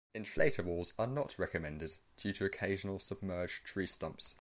Inflatables are not recommended due to occasional submerged tree stumps.